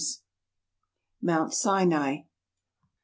MOUNT SINAI.